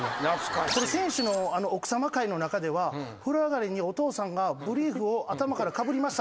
これ選手の奥さま会の中では風呂上がりにお父さんがブリーフを頭からかぶりましたか？